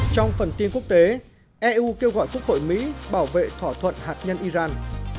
trong phần tin quốc tế eu kêu gọi quốc hội mỹ bảo vệ thỏa thuận hạt nhân iran